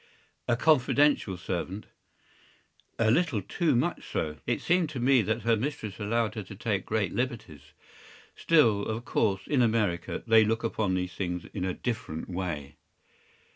” “A confidential servant?” “A little too much so. It seemed to me that her mistress allowed her to take great liberties. Still, of course, in America they look upon these things in a different way.